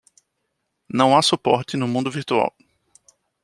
Não há suporte no mundo virtual.